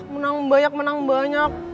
menang banyak menang banyak